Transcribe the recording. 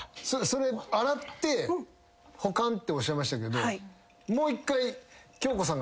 それ洗って保管っておっしゃいましたけど。